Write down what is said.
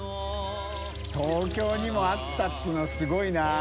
豕Ⅳ砲あったっていうのはすごいな。